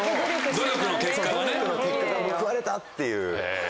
努力の結果が報われたっていう。